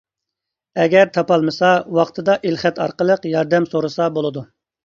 ئەگەر تاپالمىسا ۋاقتىدا ئېلخەت ئارقىلىق ياردەم سورىسا بولىدۇ.